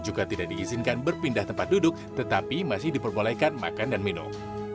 juga tidak diizinkan berpindah tempat duduk tetapi masih diperbolehkan makan dan minum